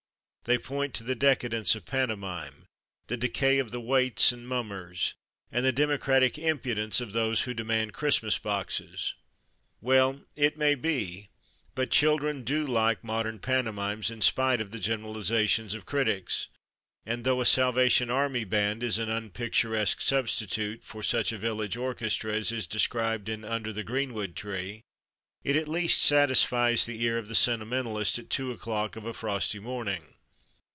They point to the decadence CAROL SINGERS 73 of pantomime, the decay of the waits and mummers, and the democratic impudence of those who demand Christmas boxes. Well, it may be , but children do like modern pantomimes in spite of the generalisations of critics ; and though a Salvation Army band is an unpicturesque substitute for such a village orchestra as is described in " Under the Greenwood Tree," it at least satisfies the ear of the sentimentalist at two o'clock of a frosty morning.